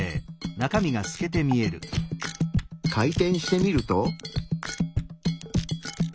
回転してみると。